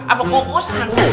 apa kok pusan